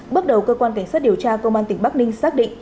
bước đầu cơ quan cảnh sát điều tra công an tỉnh bắc ninh xác định